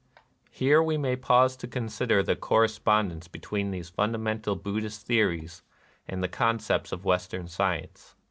Here we may pause to consider the corre spondence between these fundamental Bud dhist theories and the concepts of Western science.